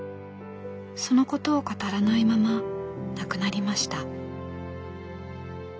そのことを語らないまま亡くなりました。